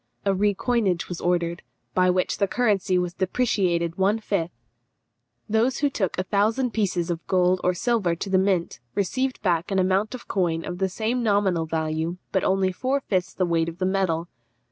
A recoinage was ordered, by which the currency was depreciated one fifth; those who took a thousand pieces of gold or silver to the mint received back an amount of coin of the same nominal value, but only four fifths of the weight of metal.